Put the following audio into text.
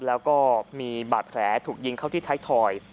แล้วก็มีบาดแผลถูกยิงเข้าที่ไทยทอย